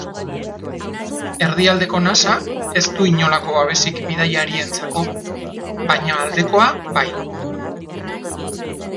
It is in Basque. Erdialdeko nasa ez du inolako babesik bidaiarientzako, baino aldekoa bai.